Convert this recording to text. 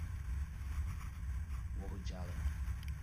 我回家了